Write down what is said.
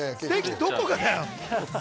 どこがよ！